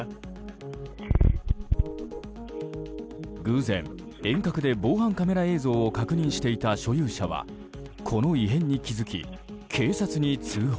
偶然、遠隔で防犯カメラ映像を確認していた所有者はこの異変に気付き警察に通報。